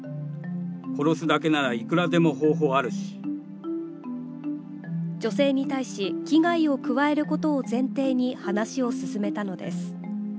殺すだけならいくらでも方法ある女性に対し、危害を加えることを前提に話を進めたのです。